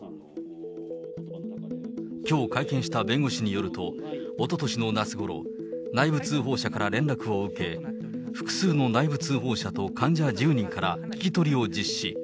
きょう会見した弁護士によると、おととしの夏ごろ、内部通報者から連絡を受け、複数の内部通報者と患者１０人から聞き取りを実施。